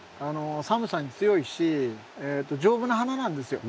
寒さに強いし丈夫な花なんですよ。